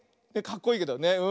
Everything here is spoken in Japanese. かっこいいけど。ね。